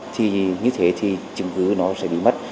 thì như thế thì chứng cứ nó sẽ bị mất